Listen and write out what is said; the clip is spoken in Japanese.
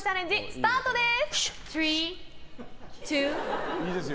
スタートです！